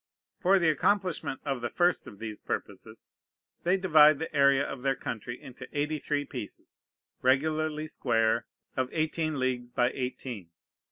For the accomplishment of the first of these purposes, they divide the area of their country into eighty three pieces, regularly square, of eighteen leagues by eighteen.